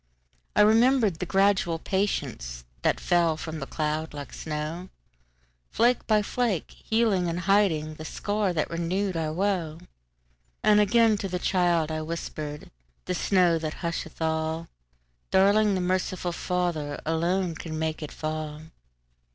I remembered the gradual patienceThat fell from that cloud like snow, Flake by flake, healing and hidingThe scar that renewed our woe. And again to the child I whispered,"The snow that husheth all, Darling, the merciful FatherAlone can make it fall!"